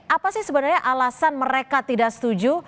apa sih sebenarnya alasan mereka tidak setuju